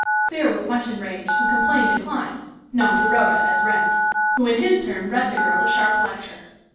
Clear was much enraged, and complained to Clyne known to Rhoda as Wrent who in his turn read the girl a sharp lecture.